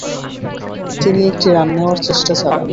তিনি একটি রান নেয়ার চেষ্টা চালান।